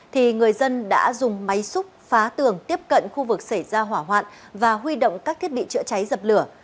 thì người dân đã dùng máy xúc phá tường tiếp cận khu vực xảy ra hỏa hoạn và huy động các thiết bị chữa cháy dập lửa